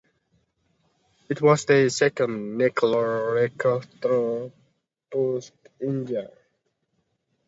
It was the second nuclear reactor to be built in India.